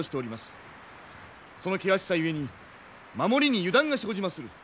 その険しさゆえに守りに油断が生じまする。